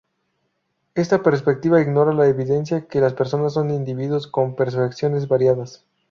Esta perspectiva ignora la evidencia que las personas son individuos con percepciones variadas.